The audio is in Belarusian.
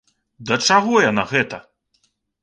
Да чаго яно гэта?